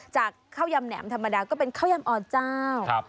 จากข้าวยำแหนมธรรมดาก็เป็นข้าวยำอ่อนเจ้า